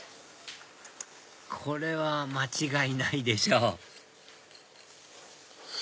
これは間違いないでしょ